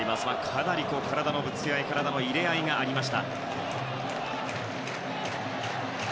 かなり体のぶつけ合いや体の入れ合いがありました。